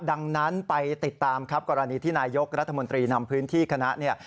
ดังนั้นไปติดตามครับกรณีที่นายกรัฐมนตรีนำพื้นที่คณะเนี่ย